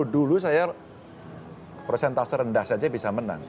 dulu saya prosentase rendah saja bisa menang